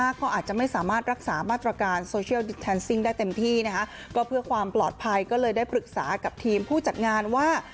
ก็เพื่อความปลอดภัยเลยได้ปรึกษากับทีมผู้จัดงานว่า